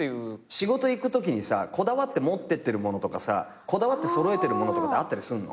仕事行くときにさこだわって持ってってるものとかこだわって揃えてるものとかってあったりすんの？